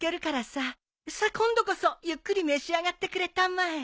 さっ今度こそゆっくり召し上がってくれたまえ。